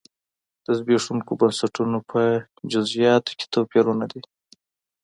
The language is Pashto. د زبېښونکو بنسټونو په جزییاتو کې توپیرونه دي.